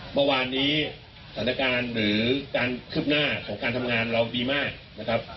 เมื่อวานนี้สถานการณ์หรือการคืบหน้าของการทำงานเราดีมากนะครับ